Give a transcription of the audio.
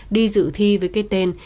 đi dự thi với cái tên